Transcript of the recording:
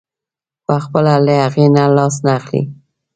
پخپله له هغې نه لاس نه اخلي.